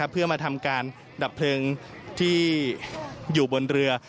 เพื่อมาทำการดับเพลิงที่อยู่บนเรือ